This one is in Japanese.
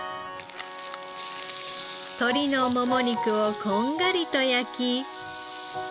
鶏のモモ肉をこんがりと焼き。